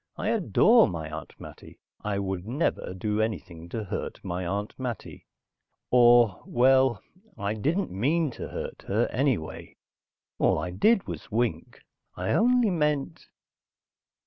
I adore my Aunt Mattie. I would never do anything to hurt my Aunt Mattie. Or, well, I didn't mean to hurt her, anyway. All I did was wink. I only meant....